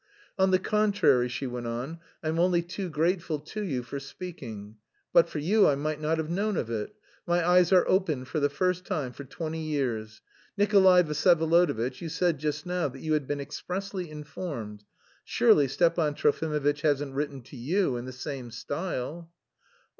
"On the contrary," she went on, "I'm only too grateful to you for speaking; but for you I might not have known of it. My eyes are opened for the first time for twenty years. Nikolay Vsyevolodovitch, you said just now that you had been expressly informed; surely Stepan Trofimovitch hasn't written to you in the same style?"